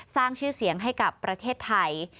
สร้างชื่อเสียงให้กับประเทศไทย